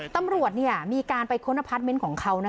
ตำรวจมีการไปค้นพัฒน์เม้นท์ของเขา